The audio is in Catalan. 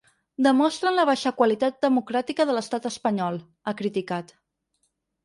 Demostren la baixa qualitat democràtica de l’estat espanyol, ha criticat.